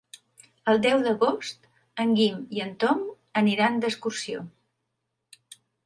El deu d'agost en Guim i en Tom aniran d'excursió.